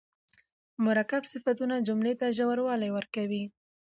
مرکب صفتونه جملې ته ژوروالی ورکوي.